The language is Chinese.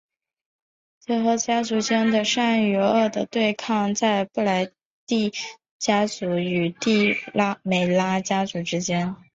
结合家族间的善与恶的对抗在布莱帝家族与帝梅拉家族之间。